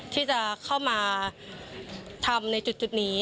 ที่จะเข้ามาทำในจุดนี้